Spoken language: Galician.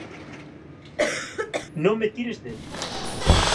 Non me tires del.